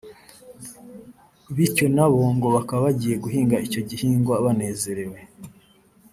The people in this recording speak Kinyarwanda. bityo na bo ngo bakaba bagiye guhinga icyo gihingwa banezerewe